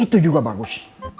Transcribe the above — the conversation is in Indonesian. itu juga bagus